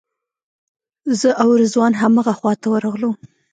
زه او رضوان همغه خواته ورغلو.